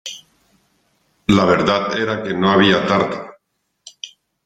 La verdad era que no había tarta.